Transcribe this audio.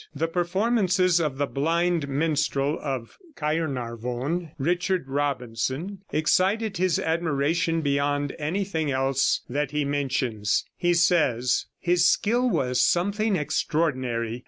The performances of the blind minstrel of Caernarvon, Richard Robinson, excited his admiration beyond anything else that he mentions. He says: "His skill was something extraordinary.